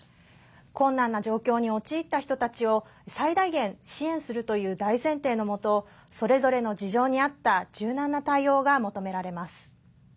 困難な状況に陥った人たちを最大限、支援するという大前提のもとそれぞれの事情に合った柔軟な対応が求められます。